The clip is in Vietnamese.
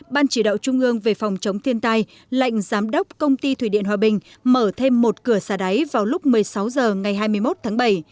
ban chỉ đạo trung ương về phòng chống thiên tai lệnh giám đốc công ty thủy điện hòa bình mở thêm một cửa xả đáy vào lúc một mươi sáu h ngày hai mươi một tháng bảy